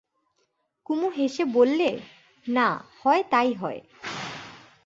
কুমু হেসে বললে, না-হয় তাই হয়।